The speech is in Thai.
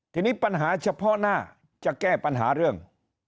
ทีนี้ปัญหาเฉพาะหน้าจะแก้ปัญหาเรื่อง